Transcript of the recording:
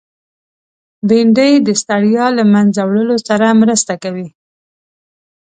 بېنډۍ د ستړیا له منځه وړلو سره مرسته کوي